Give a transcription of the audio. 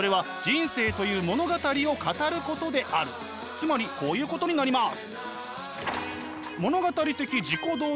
つまりこういうことになります。